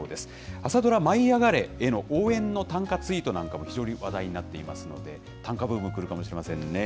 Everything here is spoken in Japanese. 朝ドラ、舞いあがれ！への応援の短歌ツイートなんかも非常に話題になっていますので、短歌ブーム来るかもしれませんね。